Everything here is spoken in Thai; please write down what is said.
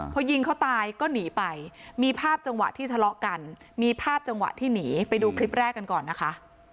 พอยิงเขาตายก็หนีไปมีภาพจังหวะที่ทะเลาะกันมีภาพจังหวะที่หนีไปดูคลิปแรกกันก่อนนะคะ